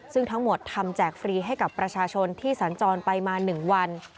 ซึ่งทั้งหมดทำแจกฟรีให้กับประชาชนที่สัญจรไปมา๑วัน